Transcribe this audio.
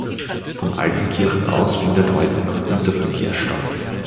Von Altenkirchen aus findet heute noch Güterverkehr statt.